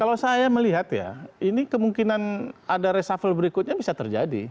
kalau saya melihat ya ini kemungkinan ada reshuffle berikutnya bisa terjadi